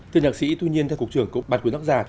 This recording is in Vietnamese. thưa nhạc sĩ tuy nhiên theo cục trưởng cục bạch quỳnh đắc già